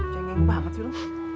cengeng banget sih lu